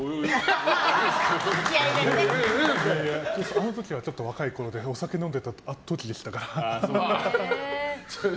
あの時は若いころでお酒飲んでた時ですから。